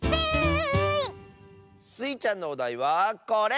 スイちゃんのおだいはこれ！